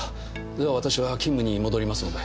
では私は勤務に戻りますので。